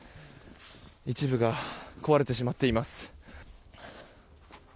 一部が壊れてしまっています。